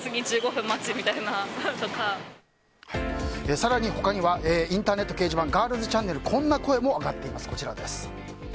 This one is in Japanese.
更に他にはインターネット掲示板ガールズちゃんねるこんな声も上がっています。